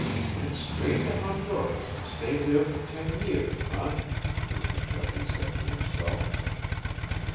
"Went straight to Honduras and stayed there for ten years, eh?" Rufus Shepley said to himself.